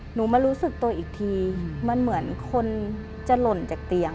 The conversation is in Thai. หนูมารู้สึกตัวอีกทีมันเหมือนคนจะหล่นจากเตียง